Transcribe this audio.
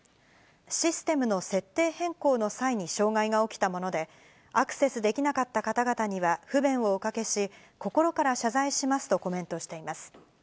システムの設定変更の際に障害が起きたもので、アクセスできなかった方々には不便をおかけし、心から謝罪しますとコメントしています。